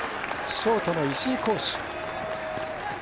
ショートの石井、好守。